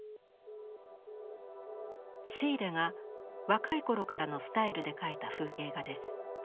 シーレが若い頃からのスタイルで描いた風景画です。